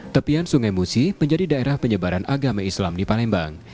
tepian sungai musi menjadi daerah penyebaran agama islam di palembang